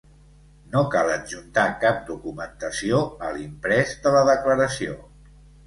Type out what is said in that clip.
No cal adjuntar cap documentació a l'imprès de la declaració.